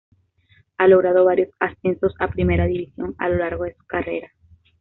Ha logrado varios ascensos a Primera División a lo largo de su carrera.